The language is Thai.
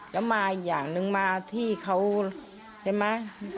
แล้วมาอีกอย่างนึงมาที่เขาใช่ไหม